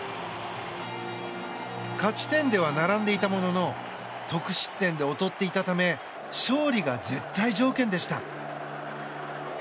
勝ち点では並んでいたものの得失点で劣っていたため勝利が絶対条件でした。